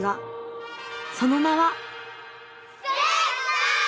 その名は。